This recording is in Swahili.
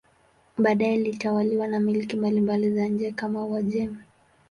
Baadaye ilitawaliwa na milki mbalimbali za nje kama Uajemi.